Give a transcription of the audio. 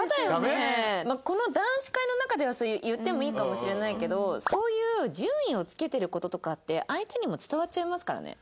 まあこの男子会の中ではそれ言ってもいいかもしれないけどそういう順位を付けてる事とかって相手にも伝わっちゃいますからね。